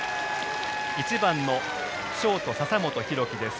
１番のショート笹本裕樹です。